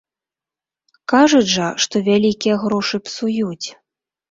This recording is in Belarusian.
Кажуць жа, што вялікія грошы псуюць.